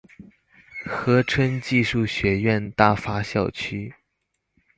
和春技術學院大發校區